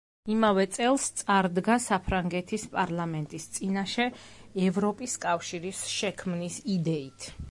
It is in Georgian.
იმავე წელს წარდგა საფრანგეთის პარლამენტის წინაშე ევროპის კავშირის შექმნის იდეით.